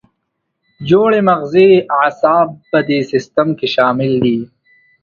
جوړې مغزي اعصاب په دې سیستم کې شامل دي.